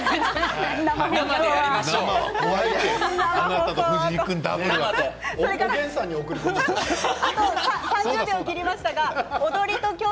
生でやりましょう。